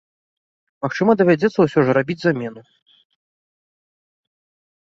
Магчыма, давядзецца ўсё ж рабіць замену.